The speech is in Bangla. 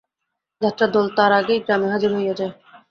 যাত্রার দল তার আগেই গ্রামে হাজির হইয়া যায়।